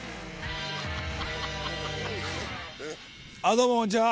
どうもこんにちは。